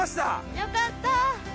よかった。